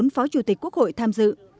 một mươi bốn phó chủ tịch quốc hội tham dự